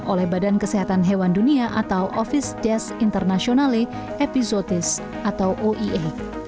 oleh badan kesehatan hewan dunia atau office des internationale epizotis atau oie